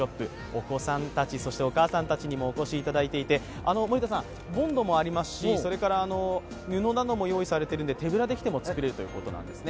お子さんたち、そしてお母さんたちもお越しいただいておりまして、ボンドもありますし布なども用意されているので手ぶらで来ても作れるということです。